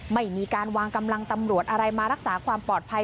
ไม่มีการวางกำลังตำรวจอะไรมารักษาความปลอดภัย